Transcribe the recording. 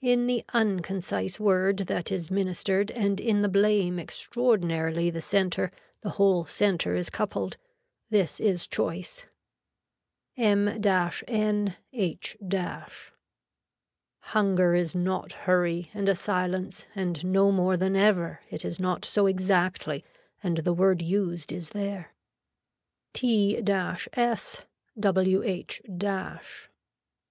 In the unconcise word that is ministered and in the blame extraordinarily the center the whole center is coupled. This is choice. M N H . Hunger is not hurry and a silence and no more than ever, it is not so exactly and the word used is there. T S WH